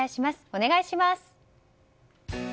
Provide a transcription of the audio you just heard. お願いします。